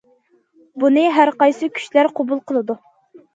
بۇنى ھەر قايسى كۈچلەر قوبۇل قىلىدۇ.